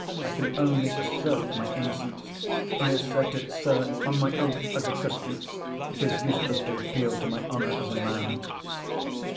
I can only assert my innocence. I assert it, sir, on my oath, as a Christian. It is useless to appeal to my honour as a man."